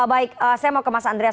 baik saya mau ke mas andreas